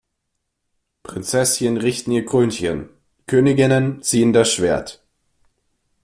Prinzesschen richten ihr Krönchen, Königinnen ziehen das Schwert!